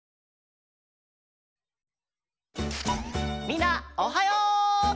みんなおはよう！